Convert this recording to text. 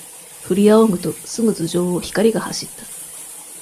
ふりあおぐと、すぐ頭上を、光が走った。